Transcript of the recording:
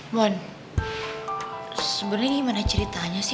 mon sebenernya ini gimana ceritanya sih